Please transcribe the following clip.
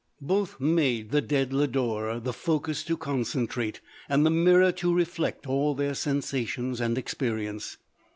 Both made the dead Lodore the focus to concentrate, and the mirror to reflect, all their sensations and experience.